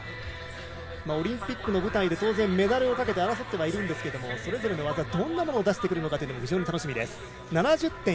オリンピックの舞台で当然、メダルをかけて争ってはいるんですけどそれぞれの技どんなものを出してくるのかも楽しみです。